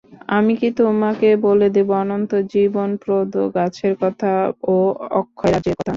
আমি কি তোমাকে বলে দেব অনন্ত জীবনপ্রদ গাছের কথা ও অক্ষয় রাজ্যের কথা?